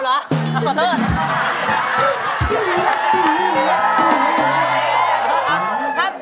สวัสดีครับ